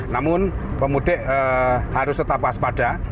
namun pemudik harus tetap waspada